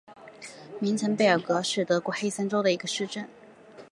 明岑贝尔格是德国黑森州的一个市镇。